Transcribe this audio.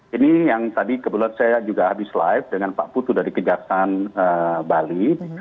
ini yang tadi kebetulan saya juga habis live dengan pak putu dari kejaksaan bali